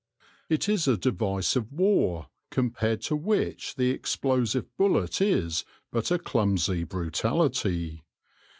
It is a device of war, compared to which the explosive bullet is but a clumsy brutality.